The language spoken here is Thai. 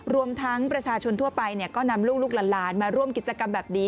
รวมทั้งประชาชนทั่วไปก็นำลูกหลานมาร่วมกิจกรรมแบบนี้